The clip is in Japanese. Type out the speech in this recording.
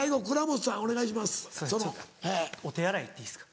すいませんお手洗い行っていいですか？